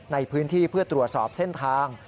ในพื้นที่เพื่อตรวจสอบเส้นทาง